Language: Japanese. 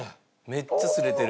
めっちゃすれてる。